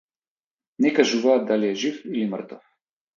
Не кажуваат дали е жив или мртов.